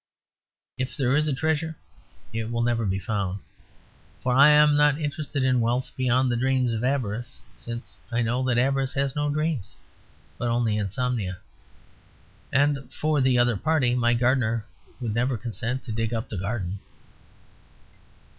If there is a treasure it will never be found, for I am not interested in wealth beyond the dreams of avarice since I know that avarice has no dreams, but only insomnia. And, for the other party, my gardener would never consent to dig up the garden.